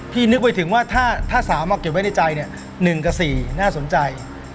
นึกไปถึงว่าถ้าสาวมาเก็บไว้ในใจ๑กับ๔น่าสนใจ